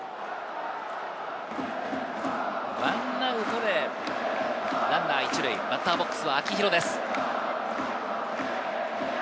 １アウトでランナー１塁、バッターボックスは秋広です。